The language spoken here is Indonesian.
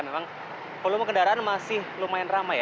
memang volume kendaraan masih lumayan ramai ya